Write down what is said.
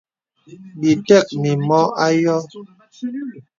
Bì tək mìmɔ a yɔ̄ɔ̄.